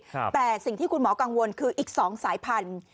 แต่สิ่งที่คุณหมอกังวลคืออีก๒สายพันธุ์